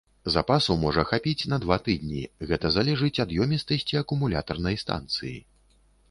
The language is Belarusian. Запасу можа хапіць на два тыдні, гэта залежыць ад ёмістасці акумулятарнай станцыі.